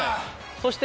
そして。